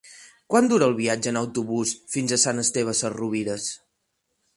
Quant dura el viatge en autobús fins a Sant Esteve Sesrovires?